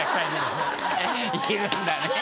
いるんだね。